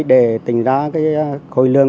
để tìm ra khối lương